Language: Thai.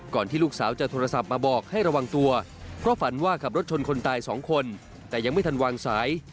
ที่ลูกสาวจะโทรศัพท์มาบอกให้ระวังตัวเพราะฝันว่าขับรถชนคนตายสองคนแต่ยังไม่ทันวางสาย